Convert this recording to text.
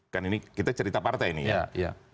kan ini kita cerita partai nih ya